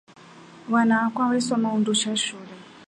Wana wakwa wasoma undusha shule.